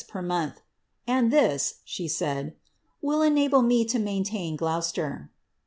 per ith, ^'and this," she said, " will enable me to maintain Gloticefler."